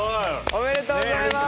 おめでとうございます！